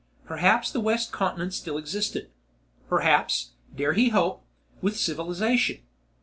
Perhaps the west continent still existed; perhaps, dare he hope, with civilization.